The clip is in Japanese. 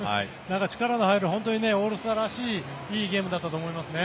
力の入るオールスターらしいいいゲームだったと思いますね。